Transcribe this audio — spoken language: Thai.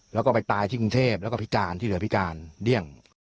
แล้วก็ไปตายที่กรุงเทพแล้วก็พิการที่เหลือพิการเดี้ยง